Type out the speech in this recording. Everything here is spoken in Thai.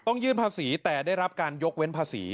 ยื่นภาษีแต่ได้รับการยกเว้นภาษี